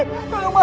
ke cik cik